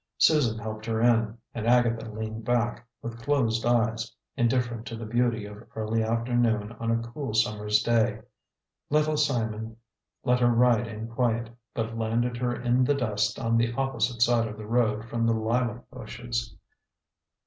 Susan helped her in, and Agatha leaned back, with closed eyes, indifferent to the beauty of early afternoon on a cool summer's day. Little Simon let her ride in quiet, but landed her in the dust on the opposite side of the road from the lilac bushes.